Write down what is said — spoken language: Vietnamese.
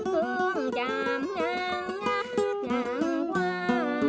thương chạm ngang ngã ngã qua